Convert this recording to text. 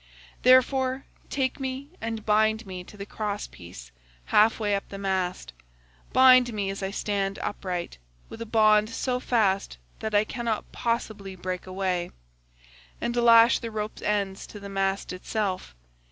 Therefore, take me and bind me to the crosspiece half way up the mast; bind me as I stand upright, with a bond so fast that I cannot possibly break away, and lash the rope's ends to the mast itself.